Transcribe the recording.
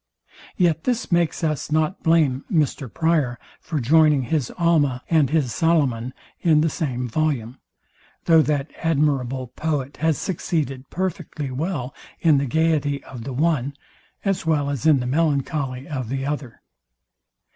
Yet this makes us not blame Mr Prior for joining his Alma and his Solomon in the same volume; though that admirable poet has succeeded perfectly well in the gaiety of the one, as well as in the melancholy of the other.